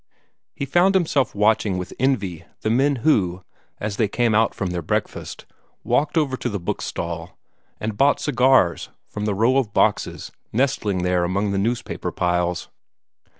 He found himself watching with envy the men who, as they came out from their breakfast, walked over to the bookstall, and bought cigars from the row of boxes nestling there among the newspaper piles.